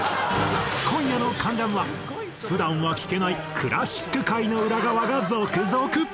今夜の『関ジャム』は普段は聞けないクラシック界の裏側が続々！